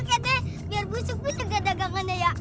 oke deh biar busuk busuk ganda gandanya ya